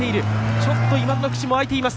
ちょっと今田の口も開いています。